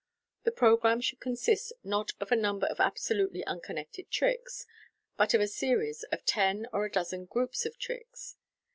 The programme should consist not of a number of absolutely uncon nected tricks, but of a series of ten or a dozen groups of tricks.